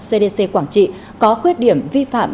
cdc quảng trị có khuyết điểm vi phạm